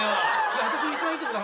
私の一番いいとこだから。